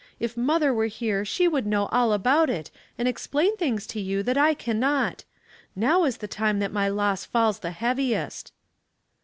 If mother were here she would know all about it, and explain things to you that I can not. Now is the time that my loss falls the heaviest."